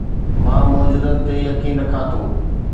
مان معجزن تي يقين نه ٿو رکان